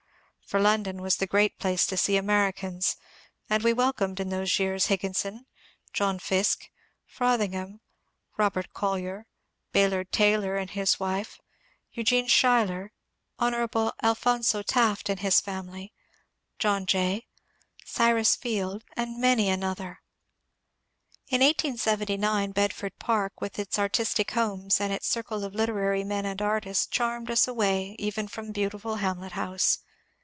For London was the great place to see Americans, — and we welcomed in those years Higginson, John Fiske, Frotliingham, Kobert CoUyer, Bay ard Taylor and his wife, Eugene Schuyler, Hon. Alphonzo INGLEWOOD, BEDFORD PARK 373 Taft and his family, John Jay, Cyrus Field, and many an other. In 1879 Bedford Park with its artistic homes and its circle of literary men and artists charmed us away even from ' beautiful Hamlet House.